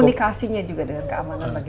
komunikasinya juga dengan keamanan bagaimana